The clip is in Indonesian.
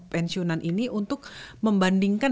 pensiunan ini untuk membandingkan